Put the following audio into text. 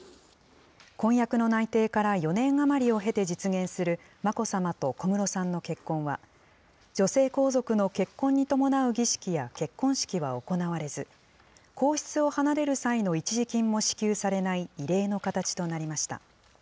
婚約の内定から４年余りを経て実現する眞子さまと小室さんの結婚は、女性皇族の結婚に伴う儀式や結婚式は行われず、皇室を離れる際の一時金も支給されない異例の形となりました。